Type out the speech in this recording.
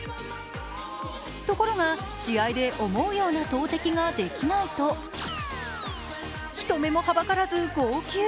ところが試合で思うような投てきができないと人目もはばからず号泣。